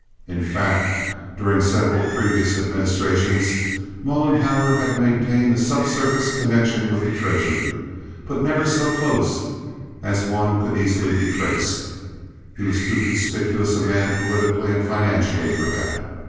In fact, during several previous administrations, Mollenhauer had maintained a subsurface connection with the treasury, but never so close a one as could easily be traced. He was too conspicuous a man politically and financially for that.